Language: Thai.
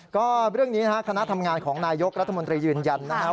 ก็เรื่องนี้นะครับคณะทำงานของนายกรัฐมนตรียืนยันนะครับ